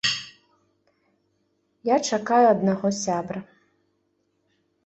Я чакаю аднаго сябра.